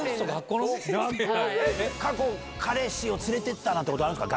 過去、彼氏を連れてったなんてことあるんですか。